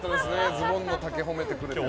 ズボンの丈、褒めてくれて。